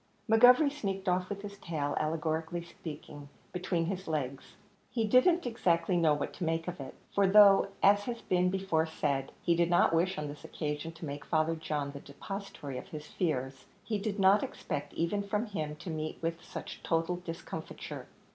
McGovery sneaked off with his tail, allegorically speaking, between his legs. He didn't exactly know what to make of it; for though, as has been before said, he did not wish on this occasion to make Father John the depositary of his fears, he did not expect even from him to meet with such total discomfiture.